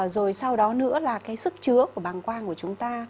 rồi sau đó nữa là cái sức chứa của bàng quang của chúng ta